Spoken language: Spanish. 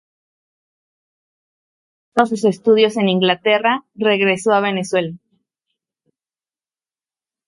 Una vez terminados sus estudios en Inglaterra, regresa a Venezuela.